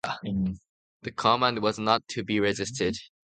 The command was not to be resisted.